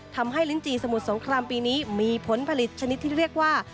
ลิ้นจีสมุทรสงครามปีนี้มีผลผลิตชนิดที่เรียกว่า